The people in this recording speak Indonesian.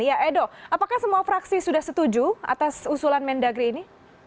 ya edo apakah semua fraksi sudah setuju atas usulan mendagri ini